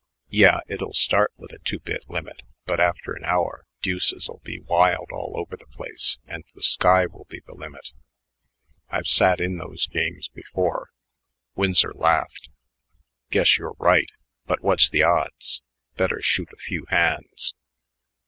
"Yeah, it'll start with a two bit limit, but after an hour deuces'll be wild all over the place and the sky will be the limit. I've sat in those games before." Winsor laughed. "Guess you're right, but what's the odds? Better shoot a few hands."